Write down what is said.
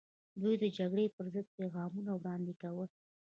دوی د جګړې پر ضد پیغامونه وړاندې کول.